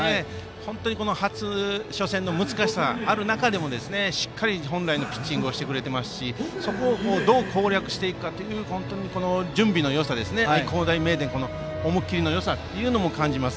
本当に初戦の難しさがある中でしっかり本来のピッチングをしてくれていますしそこを、どう攻略していくかという準備のよさを愛工大名電にも感じます。